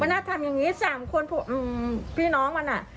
น่าทำอย่างนี้๓คนพี่น้องมันอ่ะ